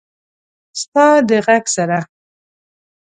ستا د ږغ سره…